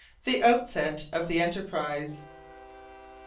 THE OUTSET OF THE ENTERPRISE.